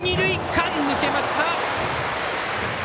一、二塁間、抜けました。